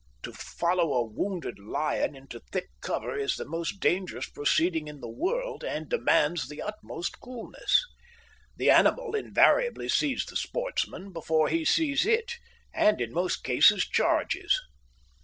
To follow a wounded lion into thick cover is the most dangerous proceeding in the world, and demands the utmost coolness. The animal invariably sees the sportsman before he sees it, and in most cases charges.